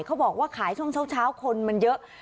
เขาบอกว่าขายช่วงเช้าคนมันเยอะ